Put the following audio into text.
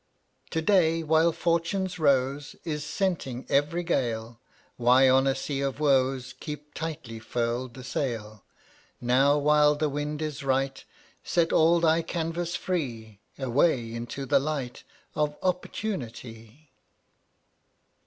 0Utt<$ (rttttAt? To day while Fortune's rose ^> Is scenting every gale, (JvC/ Why on a sea of woes Keep tightly furled the sail? Now, while the wind is right, Set all thy canvas free; Away, into the light Of Opportunity!